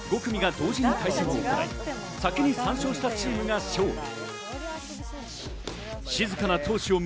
５組が同時に対戦をし、３勝したチームが勝利。